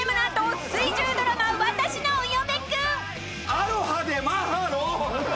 アロハでマハロ。